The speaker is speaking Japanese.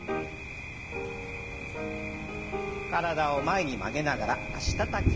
体を前に曲げながら脚たたき。